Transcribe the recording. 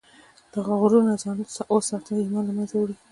له غرور نه ځان وساته، ایمان له منځه وړي.